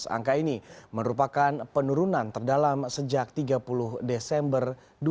angka ini merupakan penurunan terdalam sejak tiga puluh desember dua ribu dua puluh